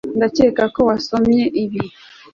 ndakeka ko wasomye ibi